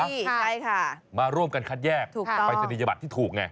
งั้นรวมกันคัดแยกปรายศนียบัตรนี้ถูกไง